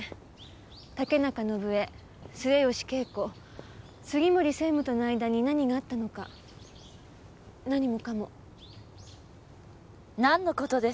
竹中伸枝末吉恵子杉森専務との間に何があったのか何もかも。何の事でしょう？